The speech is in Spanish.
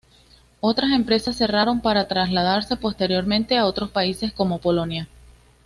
Otras empresas cerraron para trasladarse posteriormente a otros países como Polonia.